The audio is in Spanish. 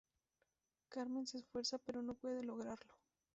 Carmen se esfuerza, pero no puede lograrlo.